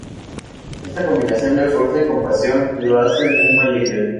Esta combinación de fuerza y compasión lo hacen un buen líder.